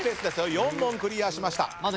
４問クリアしました。